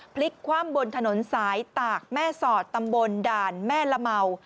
พลิกคว่ำบนถนนสายตากแม่สอดตำบลด่านแม่ละเมา